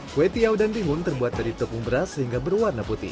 kue tiau dan bihun terbuat dari tepung beras sehingga berwarna putih